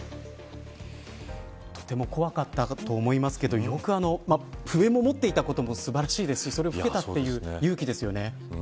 とても怖かったと思いますけど笛も持っていたことも素晴らしいですしそれを吹けたという勇気ですよね。